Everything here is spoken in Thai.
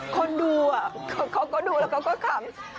คนดูเขาก็ดูแล้วเขาก็ขำ